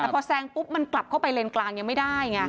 แต่พอแซงปุ๊บมันกลับเข้าไปเลนกลางยังไม่ได้ไง